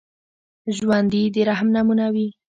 ژوندي د رحم نمونه وي